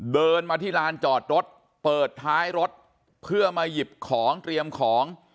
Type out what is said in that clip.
เดินมาที่ลานจอดรถเปิดท้ายรถเพื่อมาหยิบของเตรียมของ